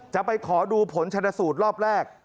จะไปขอดูผลชนสูตรรอบแรก